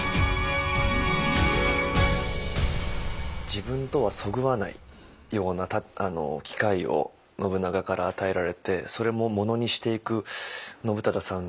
自分とはそぐわないような機会を信長から与えられてそれもものにしていく信忠さん